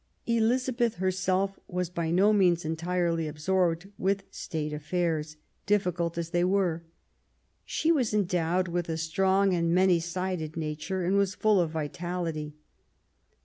Elizabeth herself was by no means entirely ab sorbed with State affairs, difficult as they were. She was endowed with a strong and many sided nature, and was full of vitality.